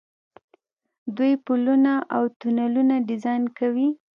دوی پلونه او تونلونه ډیزاین کوي.